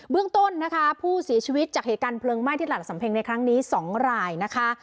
เรื่องต้นนะคะผู้เสียชีวิตจากเหตุการณ์เพลิงไหม้ที่ตลาดสำเพ็งในครั้งนี้๒รายนะคะ